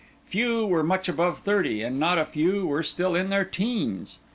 Few were much above thirty, and not a few were still in their teens.